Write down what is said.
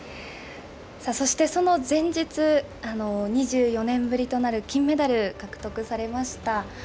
そして、その前日、２４年ぶりとなる金メダル獲得されました。